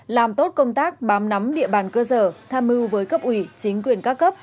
làm tốt công tác bám nắm địa bàn cơ sở tham mưu với cấp ủy chính quyền các cấp